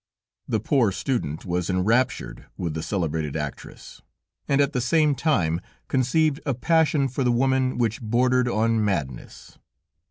The poor student was enraptured with the celebrated actress, and at the same time conceived a passion for the woman, which bordered on madness.